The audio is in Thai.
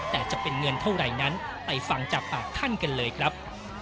แต่จะเป็นเงินเท่าไหร่นั้นไปฟังจากปากท่านกันเลยครับ